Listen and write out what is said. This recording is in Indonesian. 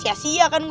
tapi emang aneh ya